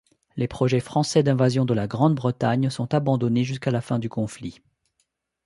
Les projets français d'invasion de la Grande-Bretagne sont abandonnés jusqu'à la fin du conflit.